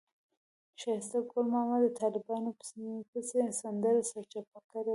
ښایسته ګل ماما د طالبانو پسې سندره سرچپه کړې وه.